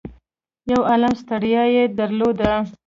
يو عالُم ستړيا يې درلوده.